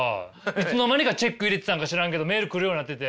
いつの間にかチェック入れてたんか知らんけどメール来るようになってて。